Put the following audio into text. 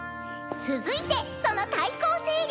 「続いてその対抗勢力」。